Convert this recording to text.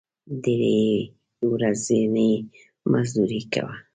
ډېری یې ورځنی مزدوري کوي.